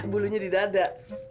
bulunya di dada